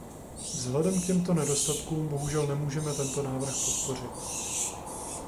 Vzhledem k těmto nedostatkům bohužel nemůžeme tento návrh podpořit.